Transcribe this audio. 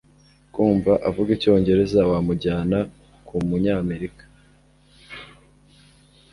Kumva avuga icyongereza, wamujyana kumunyamerika